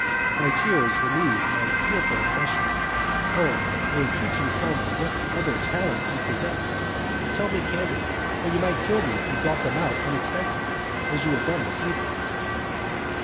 My tears relieved my fearful oppression. Oh! I entreat you to tell me what other talents you possess. Tell me candidly, for you might kill me if you brought them out unexpectedly, as you have done this evening."